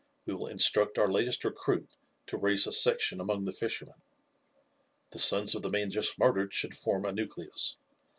We will instruct our latest recruit to raise a section among the fishermen. The sons of the man just murdered should form a nucleus.